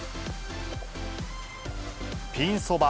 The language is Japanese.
ピンそば